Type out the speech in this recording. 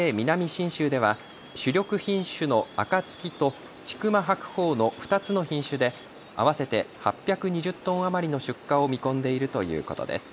信州では主力品種のあかつきと千曲白鳳の２つの品種で合わせて８２０トン余りの出荷を見込んでいるということです。